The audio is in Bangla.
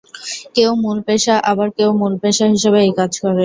কেউ মূল পেশা আবার কেউ মূল পেশা হিসেবে এই কাজ করে।